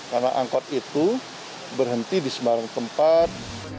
karena angkot itu berhenti di sembarang tempat